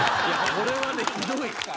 これはねひどい！